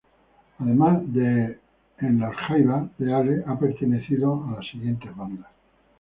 Además de en Los Jaivas, Reale ha pertenecido a las siguientes bandas.